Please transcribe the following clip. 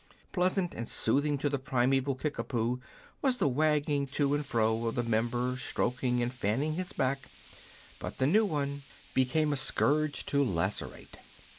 Pleasant and soothing to the primeval Kickapoo was the wagging to and fro of the member stroking and fanning his back, but the new one became a scourge to lacerate.